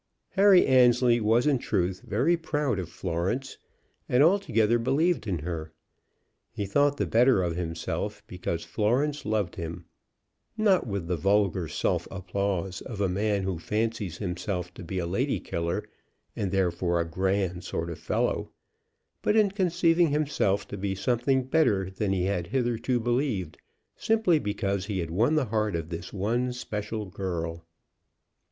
Harry Annesley was in truth very proud of Florence, and altogether believed in her. He thought the better of himself because Florence loved him, not with the vulgar self applause of a man who fancies himself to be a lady killer and therefore a grand sort of fellow, but in conceiving himself to be something better than he had hitherto believed, simply because he had won the heart of this one special girl.